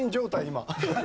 今。